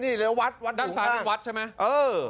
นี่วัดวัดด้านสามนึงวัดใช่ไหมเอออ๋อ